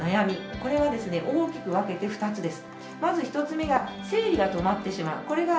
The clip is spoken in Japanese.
これはですね大きく分けて２つです。